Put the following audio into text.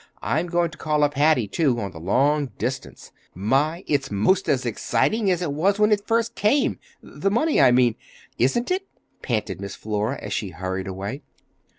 I'm going to call up Hattie, too, on the long distance. My, it's 'most as exciting as it was when it first came,—the money, I mean,—isn't it?" panted Miss Flora as she hurried away.